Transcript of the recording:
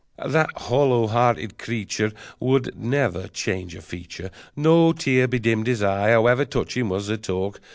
That hollow hearted creature Would never change a feature: No tear bedimmed his eye, however touching was her talk.